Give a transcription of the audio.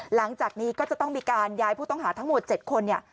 หลังจากนี้ก็จะต้องมีการย้ายผู้ต้องหาทั้งหมด๗คนเนี่ย